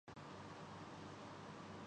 میرے پیچھے آییے